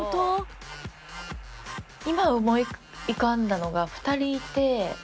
今思い浮かんだのが２人いて。